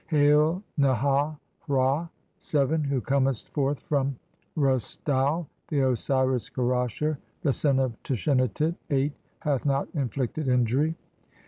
"Hail, Neha hra, (7) who comest forth from Re "stau, the Osiris Kerasher, the son of Tashenatit, (8) "hath not inflicted injury.